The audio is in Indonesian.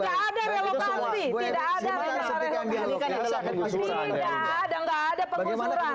jangan bilang ada pengusuran